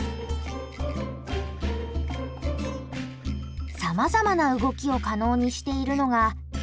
さまざまな動きを可能にしているのが３０本の背骨。